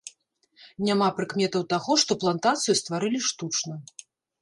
Няма прыкметаў таго, што плантацыю стварылі штучна.